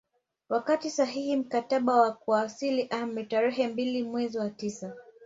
Wakatia sahihi mkataba wa kusalimu amri tarehe mbili mwezi wa tisa